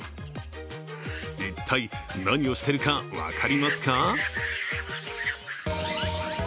一体、何をしているか分かりますか？